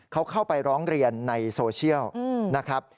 เขาเข้าไปร้องเรียนในโซเชียลนะครับ